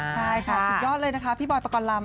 ใช่ค่ะสุดยอดเลยนะคะพี่บอยปกรณลำ